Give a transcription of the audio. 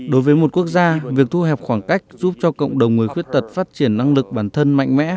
đối với một quốc gia việc thu hẹp khoảng cách giúp cho cộng đồng người khuyết tật phát triển năng lực bản thân mạnh mẽ